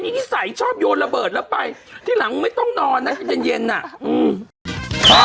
ในิดพดลิข้อหลังไม่ต้องนอนนะ